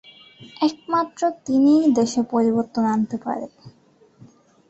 একমাত্র তিনিই দেশে পরিবর্তন আনতে পারে।